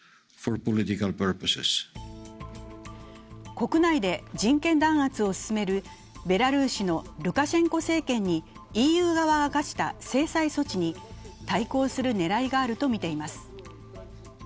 国内で人権弾圧を進めるベラルーシのルカシェンコ政権にＥＵ側が科した制裁措置に対抗する狙いがあるとみています。